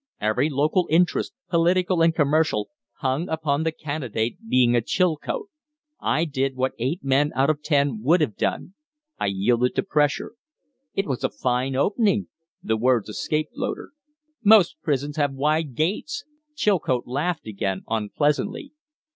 Every local interest, political and commercial, hung upon the candidate being a Chilcote. I did what eight men out of ten would have done. I yielded to pressure." "It was a fine opening!" The words escaped Loder. "Most prisons have wide gates!" Chilcote laughed again unpleasantly.